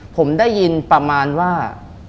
ผมได้ยินประมาณว่า